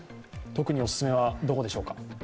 特にお勧めはどこでしょうか？